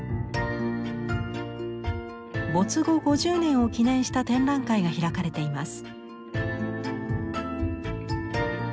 没後５０年を記念した展覧会が開かれています。